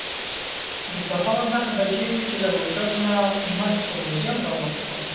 د سهار نهه بجې وې چې له هوټل نه مخ په موزیم روان شوم.